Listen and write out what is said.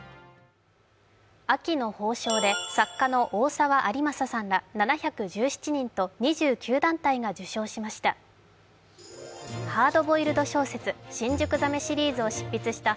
秋の褒章で作家の大沢在昌さんら７１７人と２９団体が受賞しました。